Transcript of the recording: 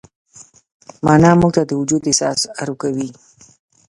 معنی موږ ته د وجود احساس راکوي.